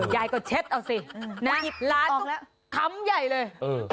ยายก็เช็ดเอาสิหยิบล้านคำใหญ่เลย